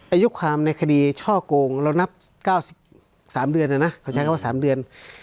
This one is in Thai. อายุความในคดีช่อโกงเรานับ๙๓เดือนเลยนะเขาใช้คำว่า๓เดือน